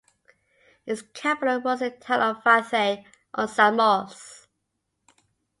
Its capital was the town of Vathy, on Samos.